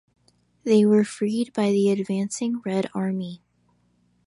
They were freed by the advancing Red Army.